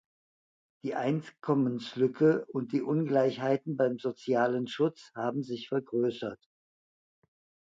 Die Einkommenslücke und die Ungleichheiten beim sozialen Schutz haben sich vergrößert.